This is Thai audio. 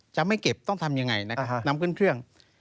จะไม่เก็บต้องทำยังไงนะครับนำขึ้นเครื่อง